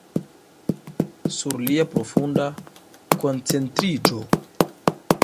Sur lia profunda koncentriĝo.